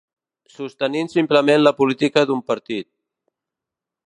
Sostenint simplement la política d'un partit.